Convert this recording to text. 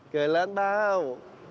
kề lên bao